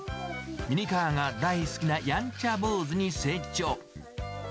ミニカーが大好きなやんちゃ坊主に成長。